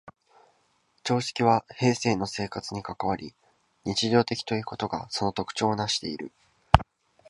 常識は平生の生活に関わり、日常的ということがその特徴をなしている。